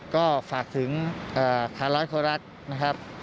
ก็ฝากถึงผ่านร้อยคนรักนะครับ